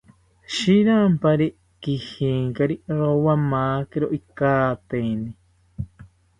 Shirampari kijinkari, rowamakiro ikateini